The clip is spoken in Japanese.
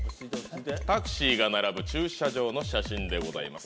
タクシーが並ぶ駐車場の写真でございます。